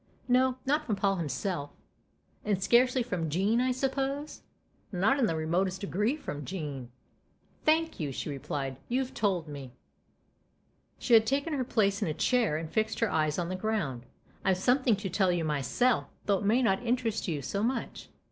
" No not from Paul himself." "And scarcely from Jean, I suppose ?"" Not in the remotest degree from Jean." " Thank you," she replied ;" you've told me," THE OTHER HOUSE 189 She had taken her place in a chair and fixed her eyes on the ground. " I've something to tell you myself, though it may not interest you so much."